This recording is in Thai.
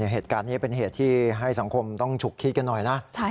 เหตุการณ์นี้เป็นเหตุที่ให้สังคมต้องฉุกคิดกันหน่อยนะ